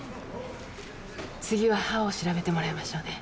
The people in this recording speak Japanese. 次は歯を調べてもらいましょうね